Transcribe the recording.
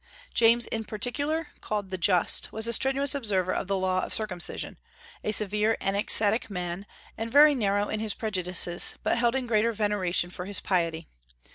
James in particular, called the Just, was a strenuous observer of the law of circumcision, a severe and ascetic man, and very narrow in his prejudices, but held in great veneration for his piety.